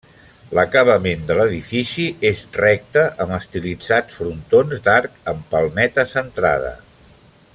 L'acabament de l'edifici és recte amb estilitzats frontons d'arc amb palmeta centrada.